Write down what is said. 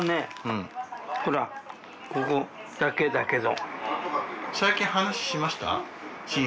ここだけだけど。